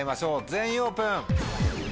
全員オープン。